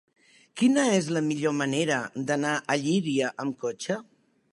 Quina és la millor manera d'anar a Llíria amb cotxe?